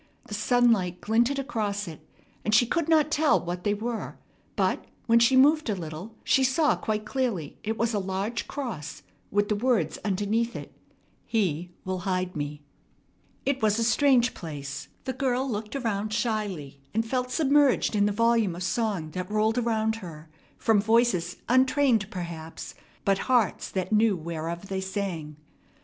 The sunlight glinted across it, and she could not tell what they were; but, when she moved a little, she saw quite clearly it was a large cross with words underneath it "He will hide me." It was a strange place. The girl looked around shyly, and felt submerged in the volume of song that rolled around her, from voices untrained, perhaps, but hearts that knew whereof they sang.